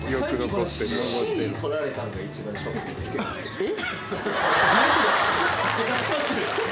えっ？